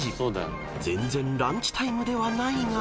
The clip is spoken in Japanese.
［全然ランチタイムではないが］